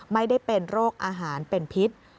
ไม่ได้เป็นโรคอาหารเป็นพิษ